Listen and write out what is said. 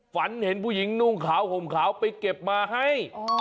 ฝันเห็นผู้หญิงนุ่งขาวห่มขาวไปเก็บมาให้